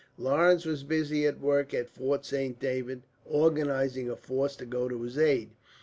Lawrence was busy at work at Fort Saint David, organizing a force to go to his aid.